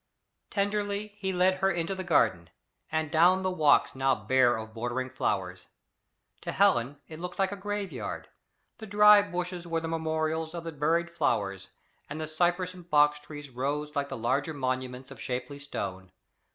Tenderly he led her into the garden, and down the walks now bare of bordering flowers. To Helen it looked like a graveyard; the dry bushes were the memorials of the buried flowers, and the cypress and box trees rose like the larger monuments of shapely stone.